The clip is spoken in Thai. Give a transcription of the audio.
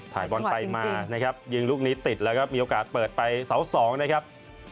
บอลไปมานะครับยิงลูกนี้ติดแล้วก็มีโอกาสเปิดไปเสา๒นะครับ